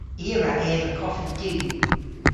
I a wra eva koffi du.